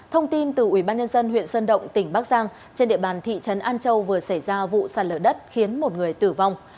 thông tin từ ubnd huyện sơn động tỉnh bắc giang trên địa bàn thị trấn an châu vừa xảy ra vụ sạt lở đất khiến một người tử vong